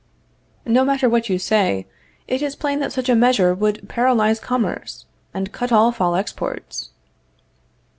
No matter what you say, it is plain that such a measure would paralyze commerce; and cut off all exports.